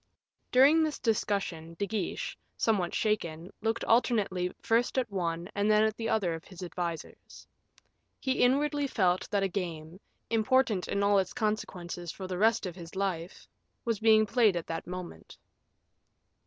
During this discussion, De Guiche, somewhat shaken, looked alternately first at one and then at the other of his advisers. He inwardly felt that a game, important in all its consequences for the rest of his life, was being played at that moment.